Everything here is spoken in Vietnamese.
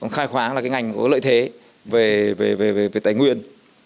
khai khoáng là cái ngành có lợi thế về tài nguyên